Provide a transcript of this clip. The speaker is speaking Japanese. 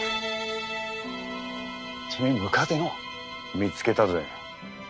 見つけたぜ。